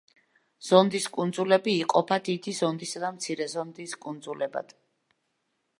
ზონდის კუნძულები იყოფა დიდი ზონდისა და მცირე ზონდის კუნძულებად.